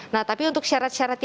nah tapi untuk syarat syaratnya